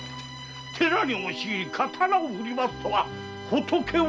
寺に押し入り刀を振り回すとは仏を恐れぬ輩！